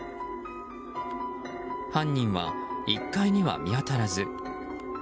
犯人は１階には見当たらず。